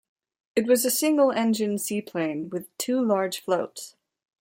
It was a single-engined seaplane with two large floats.